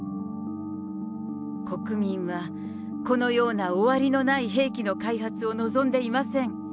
国民はこのような終わりのない兵器の開発を望んでいません。